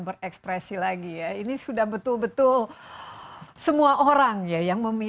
terima kasih banyak banyak ya pak bu